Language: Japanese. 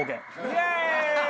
イエーイ！